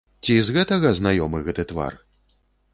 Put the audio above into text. Ці з гэтага знаёмы гэты твар?